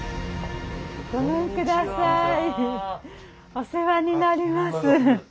お世話になります。